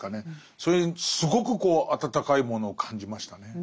それにすごく温かいものを感じましたね。